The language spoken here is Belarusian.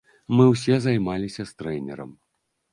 Мы ўсе займаліся з трэнерам.